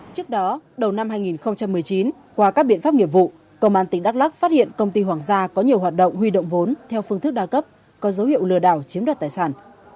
trước đó đầu năm hai nghìn một mươi chín qua các biện pháp nghiệp vụ công an tỉnh đắk lắc phát hiện công ty hoàng gia có nhiều hoạt động huy động vốn theo phương thức đa cấp có dấu hiệu lừa đảo chiếm đoạt tài sản